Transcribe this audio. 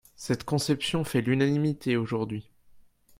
Cette conception fait l’unanimité aujourd’hui.